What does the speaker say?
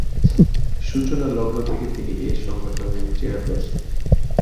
সূচনালগ্ন থেকে তিনি এ সংগঠনের চেয়ারপার্সন।